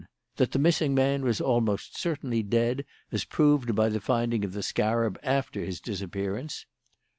That the missing man was almost certainly dead, as proved by the finding of the scarab after his disappearance.